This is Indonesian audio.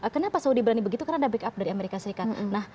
kenapa saudi berani begitu karena ada backup dari amerika serikat